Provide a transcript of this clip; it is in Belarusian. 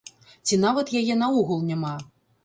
Ці нават яе наогул няма.